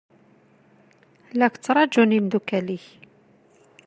La k-ttṛaǧun imeddukal-ik.